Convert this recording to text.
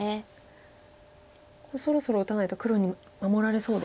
ここそろそろ打たないと黒に守られそうでしたか。